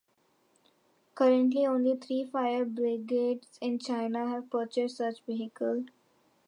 Currently only three fire brigades in China have purchased such a vehicle.